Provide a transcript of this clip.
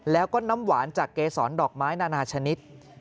แล้วก็น้ำหวานจากเกษรดอกไม้นานาชนิด